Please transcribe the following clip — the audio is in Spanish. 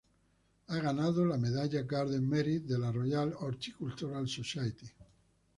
Ha ganado la Medalla Garden Merit de la Royal Horticultural Society.